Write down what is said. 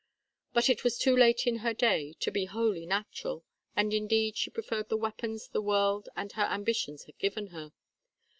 But it was too late in her day to be wholly natural, and, indeed, she preferred the weapons the world and her ambitions had given her.